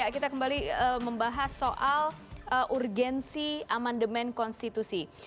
kita kembali membahas soal urgensi amandemen konstitusi